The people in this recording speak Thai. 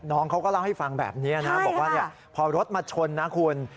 น้องเขาก็เล่าให้ฟังแบบนี้นะบอกว่าพอรถมาชนนะคุณ